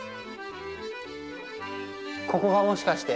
ここがもしかして。